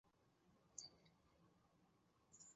该物种的模式产地在琉球海沟西侧赤尾屿以西。